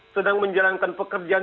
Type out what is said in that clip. sedang menjalankan pekerjaan